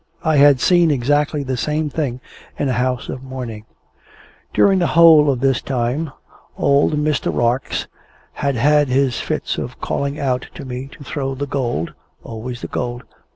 I had seen exactly the same thing in a house of mourning. During the whole of this time, old Mr. Rarx had had his fits of calling out to me to throw the gold (always the gold!)